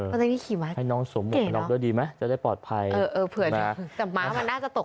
เพราะจริงขี่ม้าเก่นแล้ว